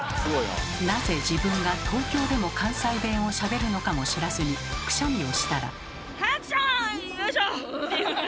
なぜ自分が東京でも関西弁をしゃべるのかも知らずにくしゃみをしたら。